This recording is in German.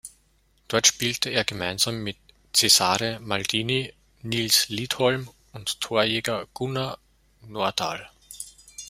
Dort spielte er gemeinsam mit Cesare Maldini, Nils Liedholm und Torjäger Gunnar Nordahl.